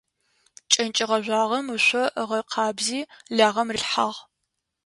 Кӏэнкӏэ гъэжъуагъэм ышъо ыгъэкъабзи лагъэм рилъхьагъ.